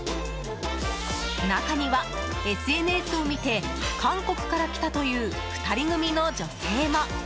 中にはＳＮＳを見て、韓国から来たという２人組の女性も。